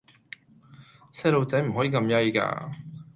細孥仔唔可以咁曳架